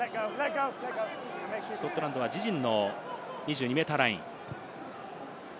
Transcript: スコットランドは自陣の２２ｍライン。